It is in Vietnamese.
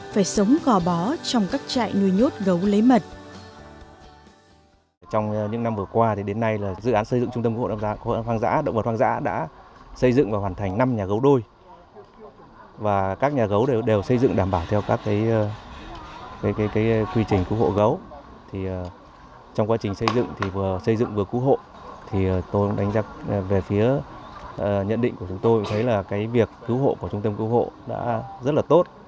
phải sống gò bó trong các trại nuôi nhốt gấu lấy mật